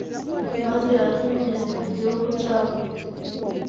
maze akwinjize mu gihugu cyabo